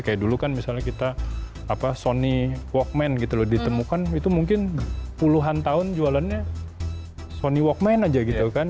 kayak dulu kan misalnya kita sony walkman gitu loh ditemukan itu mungkin puluhan tahun jualannya sony walkman aja gitu kan